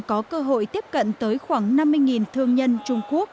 có cơ hội tiếp cận tới khoảng năm mươi thương nhân trung quốc